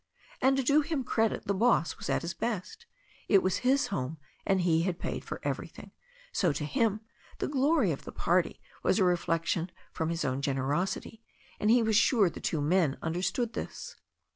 And, to do him credit, the boss was at his best. It was his home and he had paid for everything. So, to him, the glory of the party was a reflection from his own generosity, and he was sure the two men understood this.